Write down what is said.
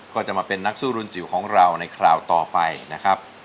ก็จะมาเป็นนักสู้รุ่นจิ๋วของเราในคราวต่อไปนะครับ